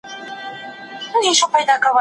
یوازې له هغه مرسته وغواړئ.